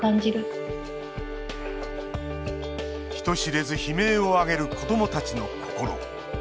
人知れず悲鳴を上げる子どもたちの心。